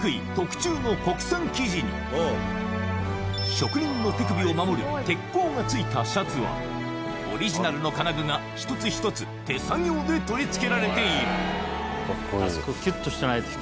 職人の手首を守る手甲が付いたシャツはオリジナルの金具が一つ一つ手作業で取り付けられているカッコいい。